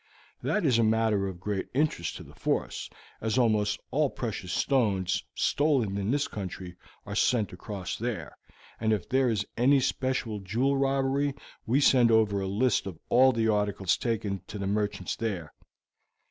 That is a matter of great interest to the force, as almost all precious stones stolen in this country are sent across there, and if there is any special jewel robbery we send over a list of all the articles taken to the merchants there.